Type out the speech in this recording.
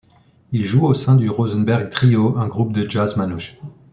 Il joue au sein du Rosenberg Trio, un groupe de jazz manouche.